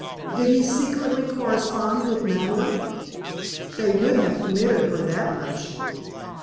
Did he secretly correspond with Madeleine? (They would have permitted her that much.)